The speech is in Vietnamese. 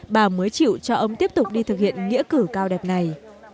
bà mới chịu cho ông tiếp tục đi thực hiện nghĩa cử cao đẹp này